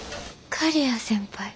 刈谷先輩？